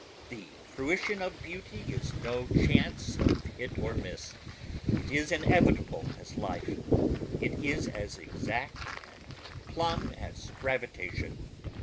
The fruition of beauty is no chance of hit or miss ... it is inevitable as life ... it is as exact and plumb as gravitation.